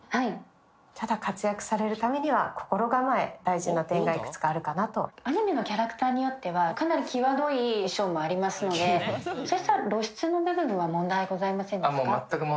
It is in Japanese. ただ活躍されるためには心構え大事な点がいくつかあるかなとアニメのキャラクターによってはかなり際どい衣装もありますのでそうした露出の部分は問題ございませんですか？